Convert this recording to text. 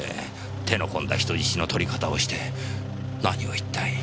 手の込んだ人質の取り方をして何を一体。